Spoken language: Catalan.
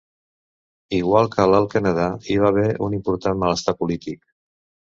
Igual que a l'Alt Canadà, hi va haver un important malestar polític.